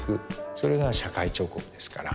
それが社会彫刻ですから。